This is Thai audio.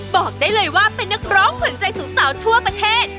บอกได้เลยว่าเป็นนักร้องขวัญใจสาวทั่วประเทศ